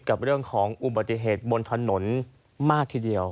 กับเรื่องของอุบัติเหตุบนถนนมากทีเดียว